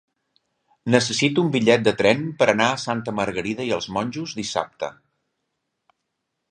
Necessito un bitllet de tren per anar a Santa Margarida i els Monjos dissabte.